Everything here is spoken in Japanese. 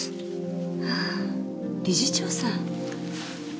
ああ理事長さん？